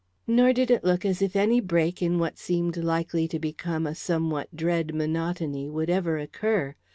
Nor did it look as if any break in what seemed likely to become a somewhat dread monotony would ever occur.